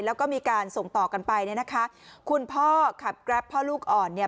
แล้วก็มีการส่งต่อกันไปเนี่ยนะคะคุณพ่อขับแกรปพ่อลูกอ่อนเนี่ย